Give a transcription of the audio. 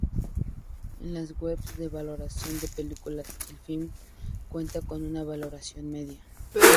En las webs de valoración de películas, el film cuenta con una valoración media.